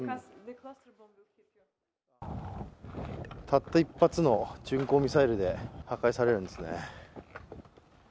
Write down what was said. たった一発の巡航ミサイルで破壊されるんですね。